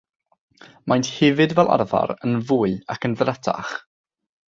Maent hefyd fel arfer yn fwy ac yn ddrutach.